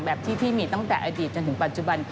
แบบที่พี่มีตั้งแต่อดีตจนถึงปัจจุบัน